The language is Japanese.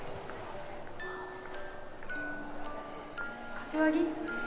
柏木？